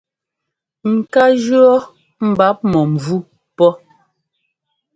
Ŋ́kaa jʉ́ɔ mbap̧ -mɔ̂mvú pɔ́.